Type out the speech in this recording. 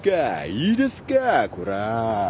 いいですかこら」